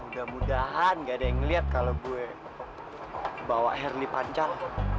mudah mudahan gak ada yang ngeliat kalau gue bawa harley panjang